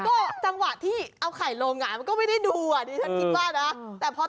ก็จังหวะที่เอาไข่โรงงานมันก็ไม่ได้ดูอ่ะที่ฉันคิดว่านะ